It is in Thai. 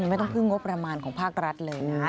ไม่ต้องพึ่งงบประมาณของภาครัฐเลยนะ